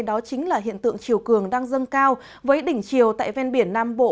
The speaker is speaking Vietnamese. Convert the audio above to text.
đó chính là hiện tượng chiều cường đang dâng cao với đỉnh chiều tại ven biển nam bộ